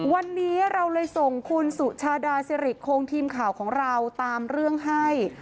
วันนี้เราเลยส่งคุณสุชาดาสิริโครงทีมข่าวของเราตามเรื่องให้